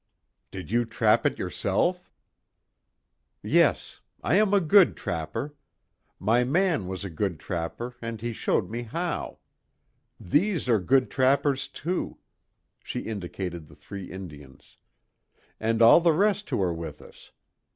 "Did you trap it yourself?" "Yes. I am a good trapper. My man was a good trapper and he showed me how. These are good trappers, too," she indicated the three Indians, "And all the rest who are with us.